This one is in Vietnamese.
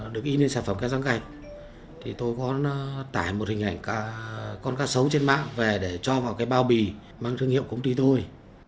được in lên sản phẩm keo rán gạch tôi có tải một hình ảnh con cá sấu trên mạng về để cho vào bao bì mang thương hiệu công ty tôi